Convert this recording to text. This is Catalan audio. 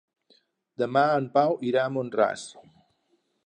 Demà en Pau irà a Mont-ras.